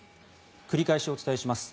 繰り返しお伝えします。